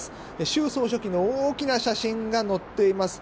習総書記の大きな写真が載っています。